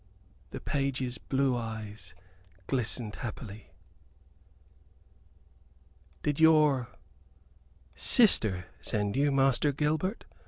The page's blue eyes glistened happily. "Did your sister send you, Master Gilbert?"